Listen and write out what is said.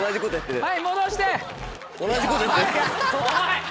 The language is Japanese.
はい。